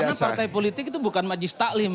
karena partai politik itu bukan majis taklim